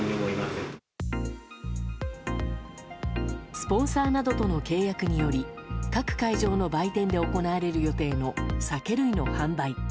スポンサーなどとの契約により各会場の売店で行われる予定の酒類の販売。